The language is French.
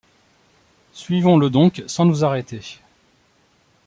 Suivons-le donc sans nous arrêter.